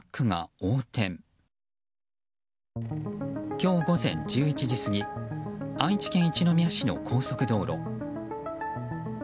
今日午前１１時過ぎ愛知県一宮市の高速道路。